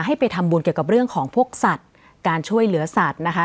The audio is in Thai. ให้ไปทำบุญเกี่ยวกับเรื่องของพวกสัตว์การช่วยเหลือสัตว์นะคะ